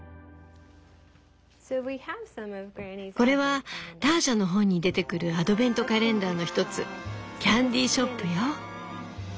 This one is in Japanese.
これはターシャの本に出てくるアドベントカレンダーの一つ「キャンディ・ショップ」よ。